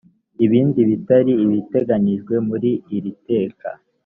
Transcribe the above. ibindi bitari ibiteganyijwe muri iri teka